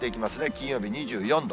金曜日２４度。